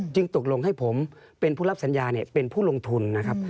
ตกลงให้ผมเป็นผู้รับสัญญาเป็นผู้ลงทุนนะครับ